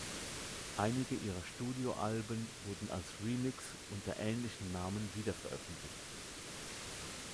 Einige ihrer Studioalben wurden als Remix unter ähnlichen Namen wiederveröffentlicht.